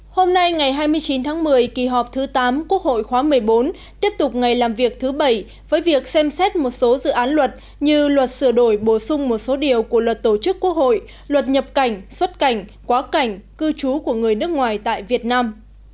hôm nay ngày hai mươi chín tháng một mươi kỳ họp thứ tám quốc hội khóa một mươi bốn tiếp tục ngày làm việc thứ bảy với việc xem xét một số dự án luật như luật sửa đổi bổ sung một số điều của luật tổ chức quốc hội luật nhập cảnh xuất cảnh quá cảnh cư trú của người nước ngoài tại việt nam